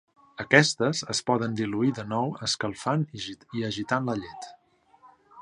Aquestes es poden diluir de nou escalfant i agitant la llet.